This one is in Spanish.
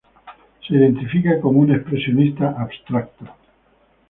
Se identifica como un expresionista abstracto.